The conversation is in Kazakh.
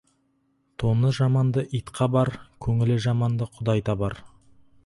Тоны жаманды ит қабар, көңілі жаманды Құдай табар.